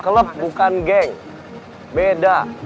klub bukan geng beda